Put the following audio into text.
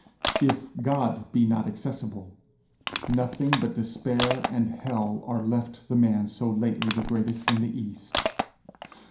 If God be not accessible, nothing but despair and hell are left the man so lately the greatest in the east.